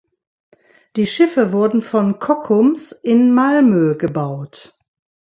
Die Schiffe wurden von Kockums in Malmö gebaut.